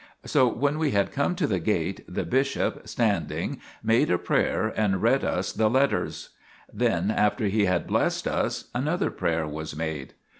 So when we had come to the gate, the bishop, stand ing, made a prayer and read us the letters ; then, after he had blessed us, another prayer was made.